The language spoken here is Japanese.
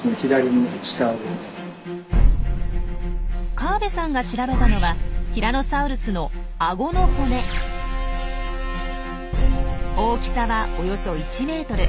河部さんが調べたのはティラノサウルスの大きさはおよそ１ｍ。